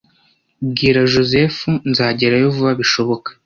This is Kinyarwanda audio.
Bwira Joseph nzagerayo vuba bishoboka.